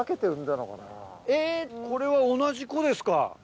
えっこれは同じ子ですか？